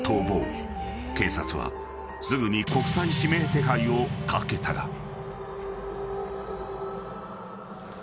［警察はすぐに国際指名手配をかけたが］